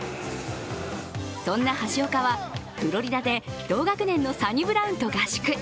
そんな橋岡はフロリダで同学年のサニブラウンと合宿。